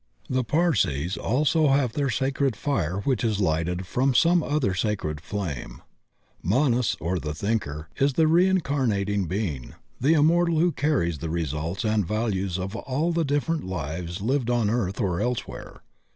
The Parsees also have their sacred fire which is lighted from some other sacred flame. Manas, or ti\c Thinker is the reincarnating being, the immortal who carries the results and values of all the different lives lived on earth or elsewhere.